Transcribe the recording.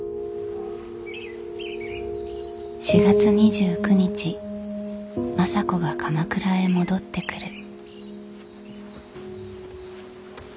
４月２９日政子が鎌倉へ戻ってくる。